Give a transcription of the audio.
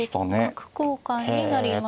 角交換になりました。